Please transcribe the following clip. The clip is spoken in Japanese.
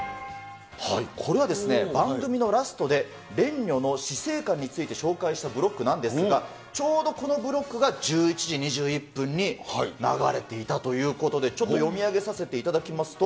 これは、番組のラストで、蓮如の死生観について紹介したブロックなんですが、ちょうどこのブロックが１１時２１分に流れていたということで、ちょっと読み上げさせていただきますと。